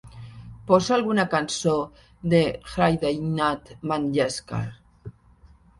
Posa alguna cançó de Hridaynath Mangeshkar